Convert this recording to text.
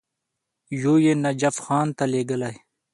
یو یې نجف خان ته لېږلی.